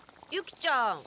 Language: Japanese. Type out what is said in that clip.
ユキちゃん。